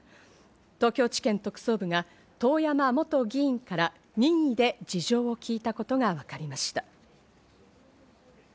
東京地検特捜部が遠山元議員から任意で事情を聞いたことがわかりました。